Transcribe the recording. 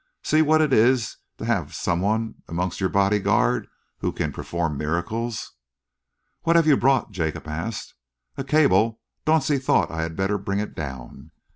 "See what it is to have some one amongst your bodyguard who can perform miracles!" "What have you brought?" Jacob asked. "A cable! Dauncey thought I had better bring it down."